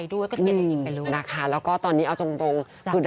ตอนนี้เขารู้สึกว่าที่เป็นเพื่อน